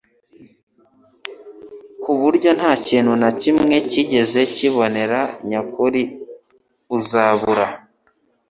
ku buryo nta kintu na kimwe kigize ukubonera nyakuri uzabura.